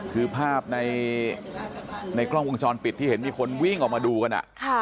คือภาพในกล้องวงจรปิดที่เห็นมีคนวิ่งออกมาดูกัน